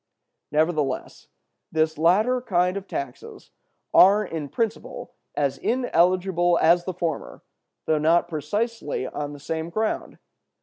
"Nevertheless, this latter kind of taxes are in principle as ineligible as the former, though not precisely on the same ground.